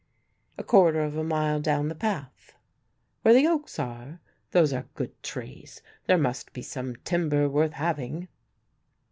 "A quarter of a mile down the path." "Where the oaks are? Those are good trees; there must be some timber worth having."